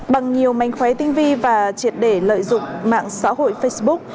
bằng nhiều mánh khóe tinh vi và triệt để lợi dụng mạng xã hội facebook